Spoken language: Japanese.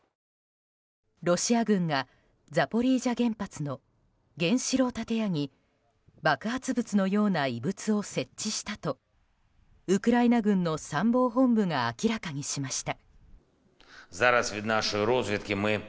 ロシア軍がザポリージャ原発の原子炉建屋に爆発物のような遺物を設置したとウクライナ軍の参謀本部が明らかにしました。